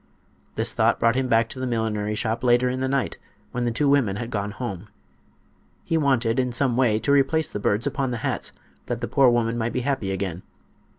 This thought brought him back to the millinery shop later in the night, when the two women had gone home. He wanted, in some way, to replace the birds upon the hats, that the poor woman might be happy again.